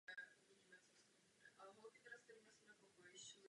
Za druhé světové války je provozovala královská námořnictva Velké Británie a Indie.